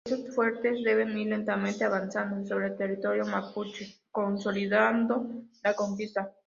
Estos fuertes debían ir lentamente avanzando sobre el territorio mapuche consolidando la conquista.